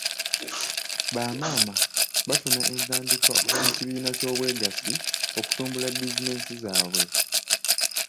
Bamaama baafuna entandikwa okuva mu kibiina ky'obwegassi okutumbula bizinensi zaabwe.